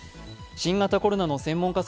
新型コロナの専門家